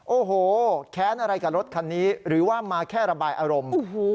โอ้โหแค้นอะไรกับรถคันนี้หรือว่ามาแค่ระบายอารมณ์